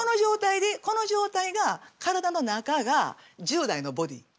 この状態が体の中が１０代のボディー。